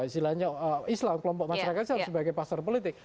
isilannya islam kelompok masyarakat sebagai pasar politik